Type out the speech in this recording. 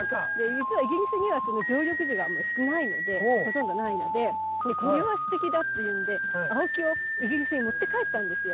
じつはイギリスには常緑樹が少ないのでほとんどないので「これはすてきだ」っていうんでアオキをイギリスに持って帰ったんですよ。